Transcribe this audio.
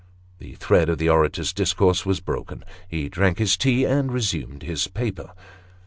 The thread of the orator's discourse was broken. He drank his tea and resumed the paper.